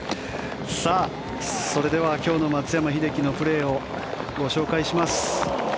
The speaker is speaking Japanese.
それでは今日の松山英樹のプレーをご紹介します。